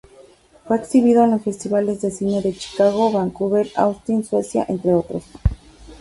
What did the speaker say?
Fue exhibido en los festivales de cine de Chicago, Vancouver, Austin, Suecia, entre otros.